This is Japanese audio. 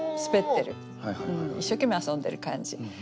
一生懸命遊んでる感じ。